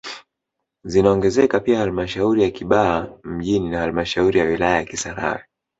Zinaongezeka pia halmashauri ya Kibaha mjini na halmashauri ya wilaya ya Kisarawe